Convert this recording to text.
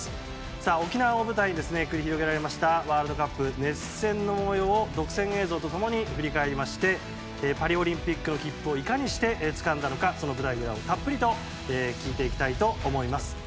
さあ、沖縄を舞台に繰り広げられましたワールドカップの熱戦の模様を独占映像と共に振り返りましてパリオリンピックの切符をいかにしてつかんだのかその舞台裏をたっぷりと聞いていきたいと思います！